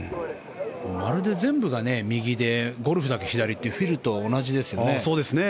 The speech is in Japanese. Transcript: まるで全部が右でゴルフだけ左というフィルと同じだよね。